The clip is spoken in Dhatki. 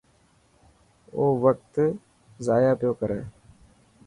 او وقت ضايع پيو ڪري.